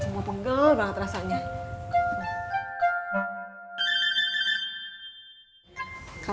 semua penggel banget rasanya